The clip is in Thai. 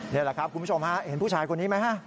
นี่แหละครับคุณผู้ชมฮะเห็นผู้ชายคนนี้ไหมฮะ